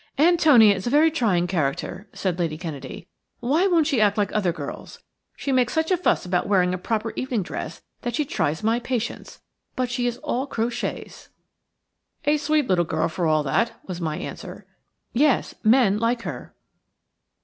"Antonia is a very trying character," said Lady Kennedy. "Why won't she act like other girls? She makes such a fuss about wearing a proper evening dress that she tries my patience – but she is all crotchets." "A sweet little girl for all that," was my answer. "Yes; men like her."